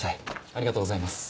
ありがとうございます。